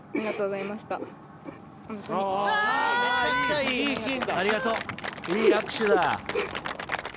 いい握手だ。